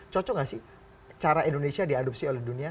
cocok gak sih cara indonesia diadopsi oleh dunia